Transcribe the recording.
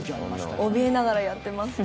おびえながらやってます。